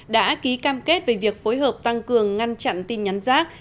đã ký cam kết về việc phối hợp tăng cường ngăn chặn tin nhắn rác